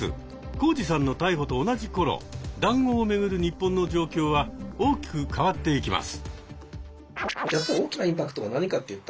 コウジさんの逮捕と同じ頃談合を巡る日本の状況は大きく変わっていきます。